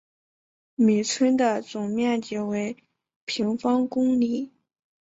米村的总面积为平方公里。